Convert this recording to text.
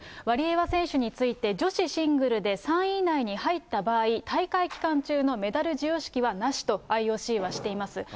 ワリエワ選手について、女子シングルで３位以内に入った場合、大会期間中のメダル授与式はなしとＩＯＣはしています。